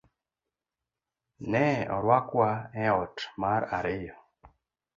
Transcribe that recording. Ne orwakwa e ot mar ariyo